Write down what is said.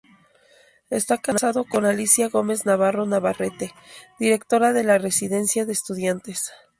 Está casado con Alicia Gómez-Navarro Navarrete, directora de la Residencia de Estudiantes.